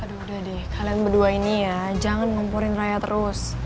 aduh udah deh kalian berdua ini ya jangan ngumpulin raya terus